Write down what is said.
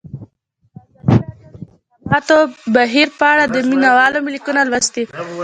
ازادي راډیو د د انتخاباتو بهیر په اړه د مینه والو لیکونه لوستي.